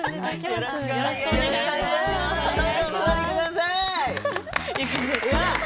よろしくお願いします。